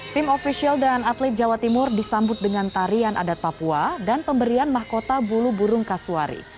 tim ofisial dan atlet jawa timur disambut dengan tarian adat papua dan pemberian mahkota bulu burung kasuari